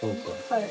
はい。